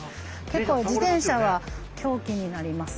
結構自転車は凶器になります。